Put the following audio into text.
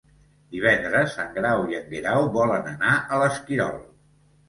Divendres en Grau i en Guerau volen anar a l'Esquirol.